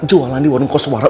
jualan di warung koswara